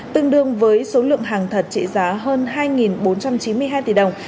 tương đương với số lượng hàng thật trị giá hơn hai bốn trăm chín mươi hai tỷ đồng